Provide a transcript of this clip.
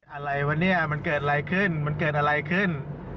อะไรวะเนี่ยมันเกิดอะไรขึ้น